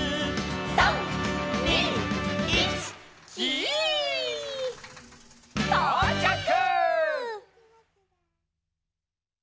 「３・２・１」「ギィ」とうちゃく！